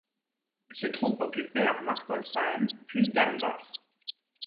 Ses troupes occupèrent Markolsheim, puis Dambach.